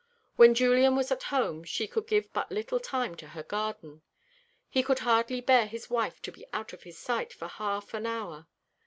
When Julian was at home she could give but little time to her garden. He could hardly bear his wife to be out of his sight for half an hour.